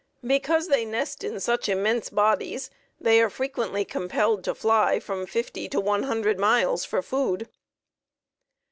Because they nest in such immense bodies, they are frequently compelled to fly from fifty to one hundred miles for food.